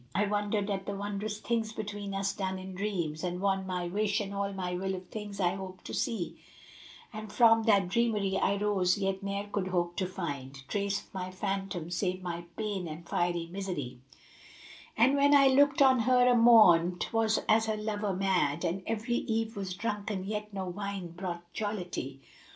I wondered at the wondrous things between us done in dreams, * And won my wish and all my will of things I hoped to see; And from that dreamery I rose, yet ne'er could hope to find * Trace of my phantom save my pain and fiery misery: And when I looked on her a morn, 'twas as a lover mad * And every eve was drunken yet no wine brought jollity.